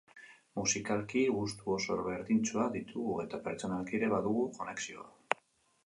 Musikalki gustu oso berdintsuak ditugu, eta pertsonalki ere badugu konexioa.